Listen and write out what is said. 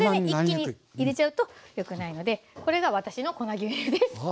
一気に入れちゃうとよくないのでこれが私の粉牛乳です。